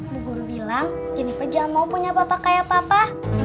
bu guru bilang jeniper jangan mau punya papa kayak papa